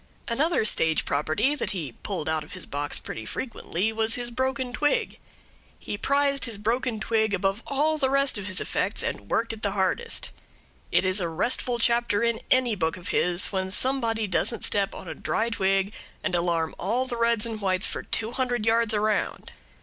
Another stage property that he pulled out of his box pretty frequently was his broken twig. He prized his broken twig above all the rest of his effects, and worked it the hardest. It is a restful chapter in any book of his when somebody doesn't step on a dry twig and alarm all the reds and whites for two hundred yards around.